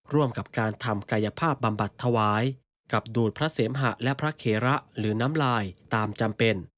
ร่วมกับการทำกายภาพบำบัดถวายกับดูดพระเสมหะและพระเคระหรือน้ำลายตามจำเป็น